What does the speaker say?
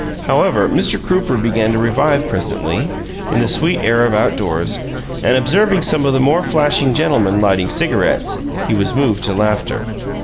However, Mr. Crooper began to revive presently, in the sweet air of outdoors, and, observing some of the more flashing gentlemen lighting cigarettes, he was moved to laughter.